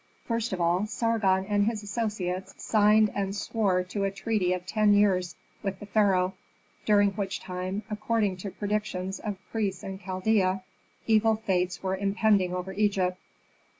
First of all, Sargon and his associates signed and swore to a treaty of ten years with the pharaoh, during which time, according to predictions of priests in Chaldea, evil fates were impending over Egypt.